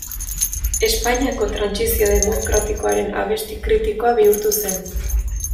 Espainiako Trantsizio Demokratikoaren abesti kritikoa bihurtu zen.